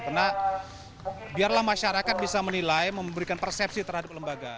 karena biarlah masyarakat bisa menilai memberikan persepsi terhadap lembaga